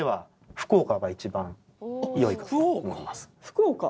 福岡？